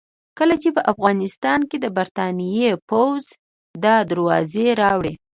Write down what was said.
کله چې په افغانستان کې د برتانیې پوځ دا دروازې راوړې.